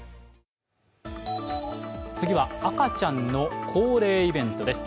次は赤ちゃんの恒例イベントです。